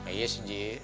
iya sih ji